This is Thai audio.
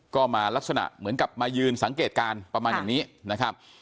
ก็มาลักษณะเหมือนกับมายืนสังเกตการณ์ประมาณอย่างนี้นะครับ